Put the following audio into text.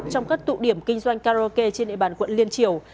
trong các tụ điểm kinh doanh karaoke trên địa bàn quận liên triều